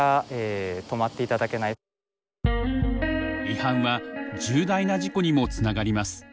違反は重大な事故にもつながります。